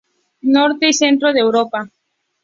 Norte y centro de Europa